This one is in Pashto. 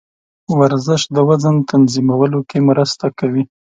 ورزش د وزن تنظیمولو کې مرسته کوي.